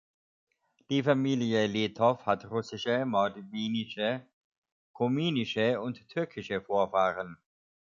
Die Familie Letov hat russische, mordvinische, kominische und türkische Vorfahren.